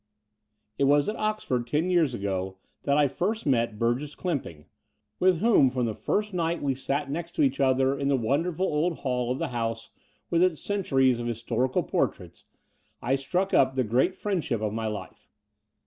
It was up at Oxford ten years ago that I first met Burgess Clymping, with whom, from the II 12 The Door of the Unreal first night we sat next to each other in the wonder ful old hall of the House with its centuries of historical portraits, I struck up the great friend ship of my life.